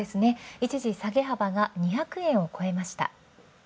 一時下げ幅が２００円を超えました。